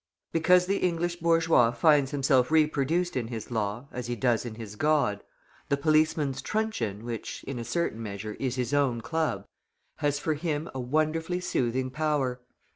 Because the English bourgeois finds himself reproduced in his law, as he does in his God, the policeman's truncheon which, in a certain measure, is his own club, has for him a wonderfully soothing power.